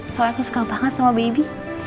soal aku suka banget sama baby